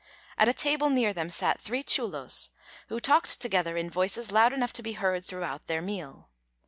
At a table near them sat three chulos, who talked together in voices loud enough to be heard throughout their meal.